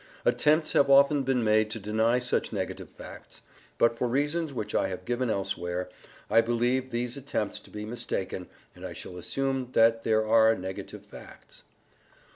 Attempts have often been made to deny such negative facts, but, for reasons which I have given elsewhere,* I believe these attempts to be mistaken, and I shall assume that there are negative facts.